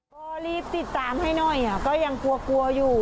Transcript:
ก็รีบติดตามให้หน่อยก็ยังกลัวกลัวอยู่